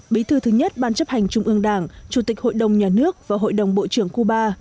bí thư thứ nhất ban chấp hành trung ương đảng chủ tịch hội đồng nhà nước và hội đồng bộ trưởng cuba